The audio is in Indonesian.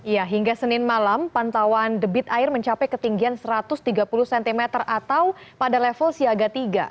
ya hingga senin malam pantauan debit air mencapai ketinggian satu ratus tiga puluh cm atau pada level siaga tiga